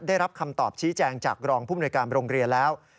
ได้รับคำตอบชี้แจงจากรองผู้มนวยการโรงเรียนแล้ว